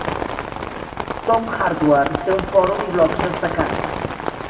"Tom's Hardware" té un fòrum i blocs destacats.